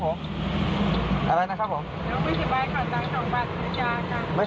น้องไม่สบายขอเงิน๒บาทนะจ๊ะครับ